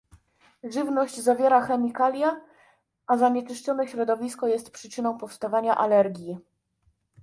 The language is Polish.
Żywność zawiera chemikalia, a zanieczyszczone środowisko jest przyczyną powstawania alergii